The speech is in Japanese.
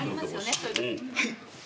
はい。